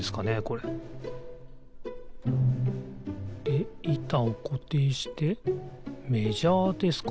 これいたをこていしてメジャーですかね？